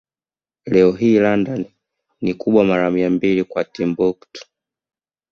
Leo hii London ni kubwa mara mia mbili kwa Timbuktu